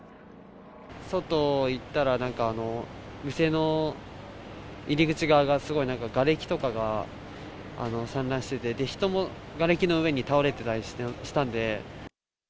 外行ったら、なんか店の入り口側が、すごいがれきとかが散乱してて、人もがれきの上に倒れてたりしたんで。